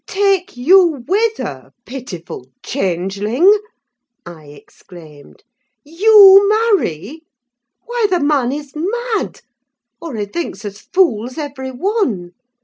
"Take you with her, pitiful changeling!" I exclaimed. "You marry? Why, the man is mad! or he thinks us fools, every one.